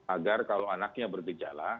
agar kalau anaknya bergejala